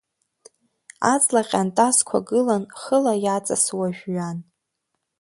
Аҵла ҟьантазқәа гылан хыла иаҵасуа жәҩан.